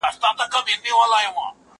هغه څوک چي زده کړه کوي پوهه زياتوي!؟